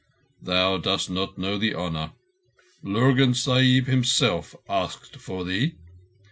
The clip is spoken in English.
"Thou dost not know the honour. Lurgan Sahib himself asked for thee.